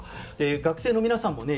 学生の皆さんもね